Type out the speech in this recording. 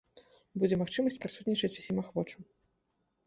Будзе магчымасць прысутнічаць усім ахвочым.